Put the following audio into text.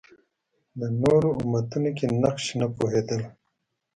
د نورو امتونو کې نقش نه پوهېدل